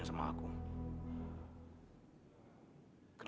baju dia menjadi hello again